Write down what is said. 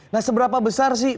nah seberapa besar sih